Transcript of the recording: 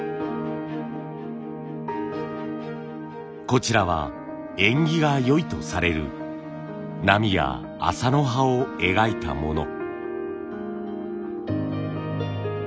こちらは縁起が良いとされる波や麻の葉を描いたもの。